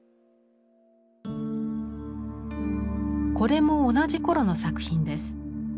これも同じ頃の作品です。